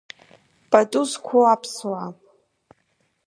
Пату зқәу аԥсуаа!